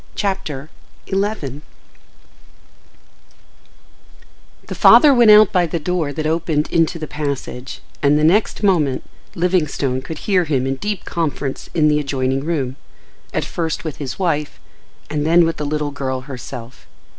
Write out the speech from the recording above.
CHAPTER XI The father went out by the door that opened into the passage, and the next moment Livingstone could hear him in deep conference in the adjoining room; at first with his wife, and then with the little girl herself.